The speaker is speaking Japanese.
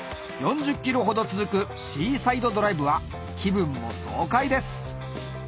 ４０ｋｍほど続くシーサイドドライブは気分も爽快です